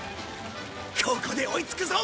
ここで追いつくぞ！